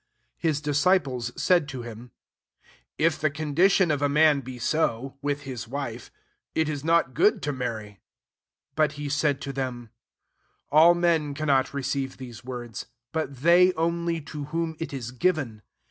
10 His disciples said to him, ^^ If the condition of a man be so, with hia wife, it is not good to mur* ry.'* 11 But he said to them, ^< All men cannot receive these words ; but they only to whom it is given.